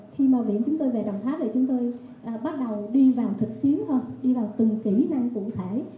khi mà biển chúng tôi về đồng tháp thì chúng tôi bắt đầu đi vào thực chiến hơn đi vào từng kỹ năng cụ thể